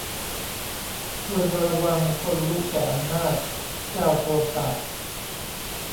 ควรระวังคนลุแก่อำนาจ เจ้าโทสะ